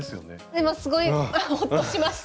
今すごいほっとしました。